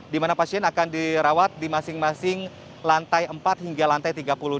di mana pasien akan dirawat di masing masing lantai empat hingga lantai tiga puluh dua